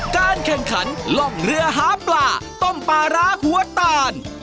การแข่งขันล่องเรือหาปลาต้มปลาร้าหัวตาล